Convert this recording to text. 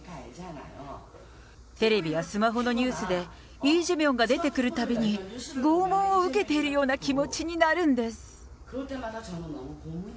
テレビやスマホのニュースで、イ・ジェミョンが出てくるたびに拷問を受けているような気持になるんです。